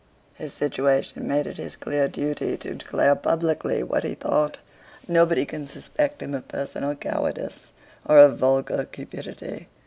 His situation made it his clear duty to declare publicly what he thought. Nobody can suspect him of personal cowardice or of vulgar cupidity.